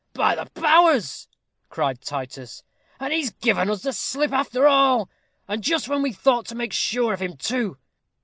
"By the powers!" cried Titus, "and he's given us the slip after all. And just when we thought to make sure of him, too.